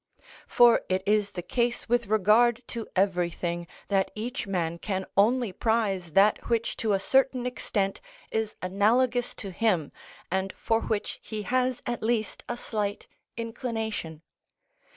For it is the case with regard to everything, that each man can only prize that which to a certain extent is analogous to him and for which he has at least a slight inclination.